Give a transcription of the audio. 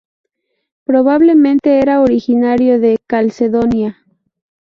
Probablemente era originario de Calcedonia.